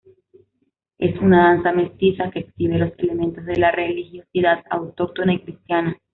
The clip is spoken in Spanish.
Es una danza mestiza que exhibe los elementos de la religiosidad autóctona y cristiana.